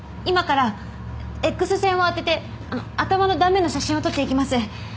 今からＸ線を当ててあの頭の断面の写真を撮っていきます。